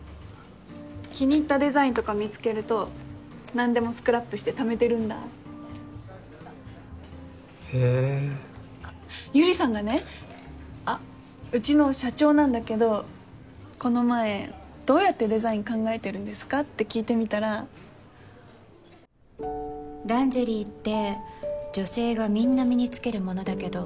気に入ったデザインとか見つけると何でもスクラップしてためてるんだへえ百合さんがねあっうちの社長なんだけどこの前どうやってデザイン考えてるんですかって聞いてみたらランジェリーって女性がみんな身につけるものだけど